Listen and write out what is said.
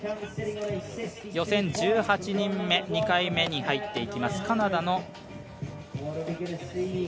予選１８人目２回目に入っていきます。